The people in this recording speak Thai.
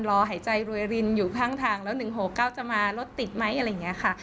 หายใจรวยรินอยู่ข้างทางแล้ว๑๖๙จะมารถติดไหมอะไรอย่างนี้ค่ะ